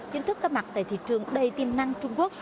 chính thức có mặt tại thị trường đầy tiềm năng trung quốc